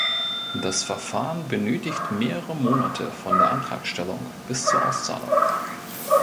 Das Verfahren benötigt mehrere Monate von der Antragstellung bis zur Auszahlung.